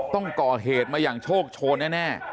ต้องก่อเหตุมาอย่างโชคโชนแน่